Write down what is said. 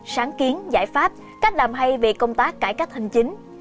sáng kiến giải pháp cách làm hay về công tác cải cách hành chính